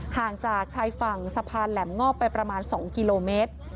ห่างจากชายฝั่งสะพานแหลมงอบไปประมาณ๒กิโลเมตร